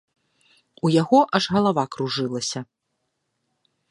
У яго аж галава кружылася.